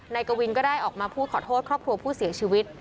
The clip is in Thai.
กวินก็ได้ออกมาพูดขอโทษครอบครัวผู้เสียชีวิต